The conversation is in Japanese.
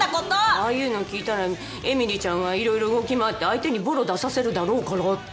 ああいうのを聞いたらえみりちゃんが色々動き回って相手にボロを出させるだろうからって。